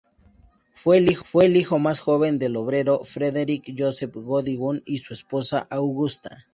Fue el hijo más joven del obrero Frederick Joseph Goodwin y su esposa Augusta.